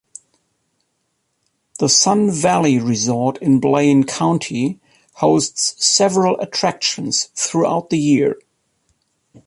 The Sun Valley resort in Blaine County hosts several attractions throughout the year.